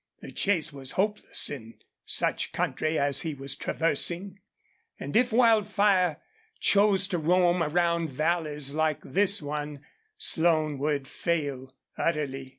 The chase was hopeless in such country as he was traversing, and if Wildfire chose to roam around valleys like this one Slone would fail utterly.